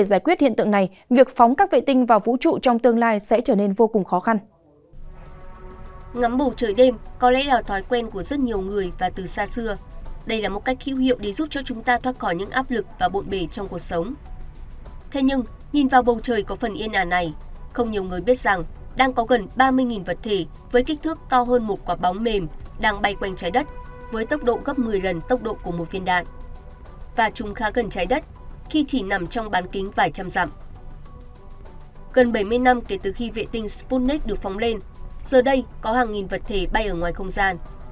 gần bảy mươi năm kể từ khi vệ tinh sputnik được phóng lên giờ đây có hàng nghìn vật thể bay ở ngoài không gian